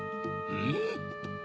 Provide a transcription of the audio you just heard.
うん。